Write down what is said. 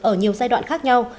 ở nhiều giai đoạn khác nhau